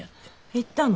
行ったの？